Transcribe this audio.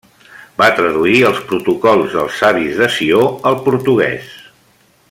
Va traduir els Protocols dels Savis de Sió al portuguès.